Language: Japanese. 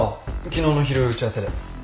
昨日の昼打ち合わせで。